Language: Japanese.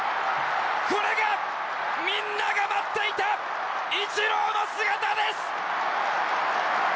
これがみんなが待っていたイチローの姿です！